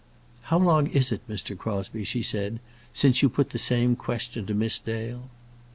"How long is it, Mr. Crosbie," she said, "since you put the same question to Miss Dale?"